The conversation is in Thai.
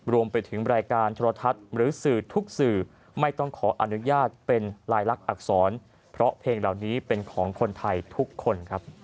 รวมไปถึงรายการโทรทัศน์หรือสื่อทุกสื่อไม่ต้องขออนุญาตเป็นลายลักษณอักษรเพราะเพลงเหล่านี้เป็นของคนไทยทุกคนครับ